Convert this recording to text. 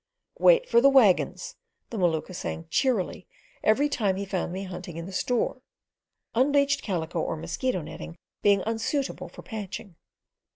"Wait for the waggons," the Maluka sang cheerily every time he found me hunting in the store (unbleached calico or mosquito netting being unsuitable for patching).